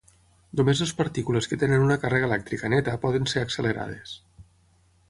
Només les partícules que tenen una càrrega elèctrica neta poden ser accelerades.